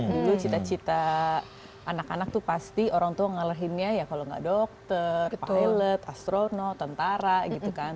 dulu cita cita anak anak tuh pasti orang tua ngalahinnya ya kalau nggak dokter pilot astronot tentara gitu kan